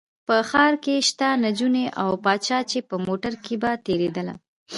په ښار کې شته نجونې او پادشاه چې په موټر کې به تېرېده.